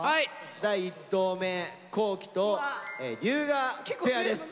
第１投目皇輝と龍我ペアです。